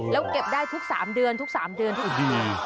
แล้วเก็บได้ทุก๓เดือนทุก๓เดือนทุกเดือน